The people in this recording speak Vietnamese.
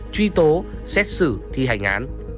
truy tố xét xử thi hành án